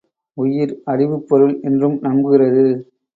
உயிர் அறிவுப் பொருள் என்றும் நம்புகிறது.